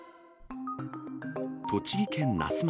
栃木県那須町。